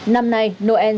năm nay noel